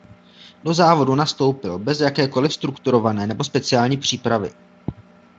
Do závodu nastoupil bez jakékoliv strukturované nebo speciální přípravy.